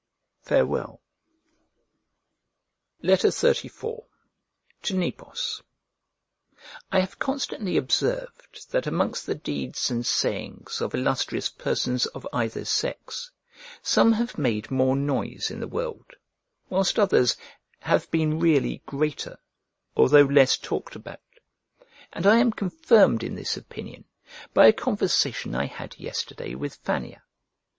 Farewell. XXXIV To NEPOS I HAVE constantly observed that amongst the deeds and sayings of illustrious persons of either sex, some have made more noise in the world, whilst others have been really greater, although less talked about; and I am confirmed in this opinion by a conversation I had yesterday with Fannia.